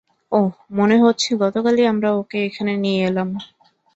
ওহ, মনে হচ্ছে গতকালই আমরা ওকে এখানে নিয়ে এলাম।